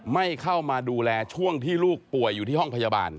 ไม่เข้ามาดูแลช่วงที่ลูกป่วยอยู่ที่ห้องพยาบาล